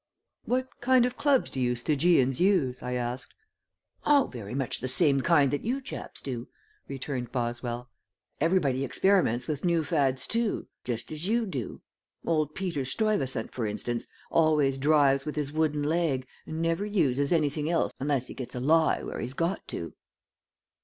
"What kind of clubs do you Stygians use?" I asked. "Oh, very much the same kind that you chaps do," returned Boswell. "Everybody experiments with new fads, too, just as you do. Old Peter Stuyvesant, for instance, always drives with his wooden leg, and never uses anything else unless he gets a lie where he's got to."